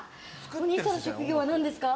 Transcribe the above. お兄さんの職業は何ですか？